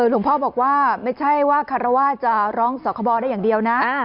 หลวงพ่อบอกว่าไม่ใช่ว่าคารวาสจะร้องสคบได้อย่างเดียวนะ